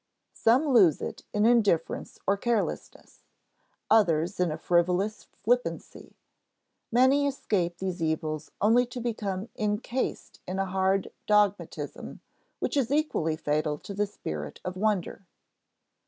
Some lose it in indifference or carelessness; others in a frivolous flippancy; many escape these evils only to become incased in a hard dogmatism which is equally fatal to the spirit of wonder.